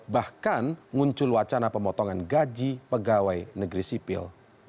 bahkan muncul wacana pemotongan gaji pegawai negeri sipil